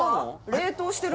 冷凍してる？